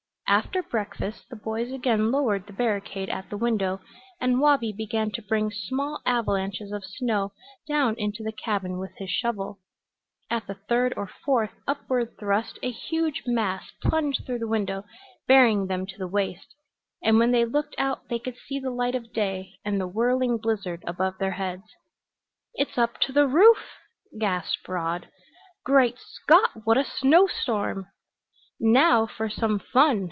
After breakfast the boys again lowered the barricade at the window and Wabi began to bring small avalanches of snow down into the cabin with his shovel. At the third or fourth upward thrust a huge mass plunged through the window, burying them to the waist, and when they looked out they could see the light of day and the whirling blizzard above their heads. "It's up to the roof," gasped Rod. "Great Scott, what a snow storm!" "Now for some fun!"